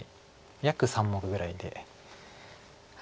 約３目ぐらいで。